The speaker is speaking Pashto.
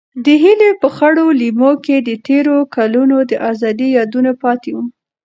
د هیلې په خړو لیمو کې د تېرو کلونو د ازادۍ یادونه پاتې وو.